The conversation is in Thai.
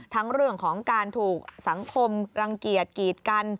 ทั้งเรื่องของการถูกสังคมรังเกียจกีดกัน